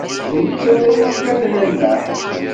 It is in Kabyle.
D nettat ay yekkaten nneḥ.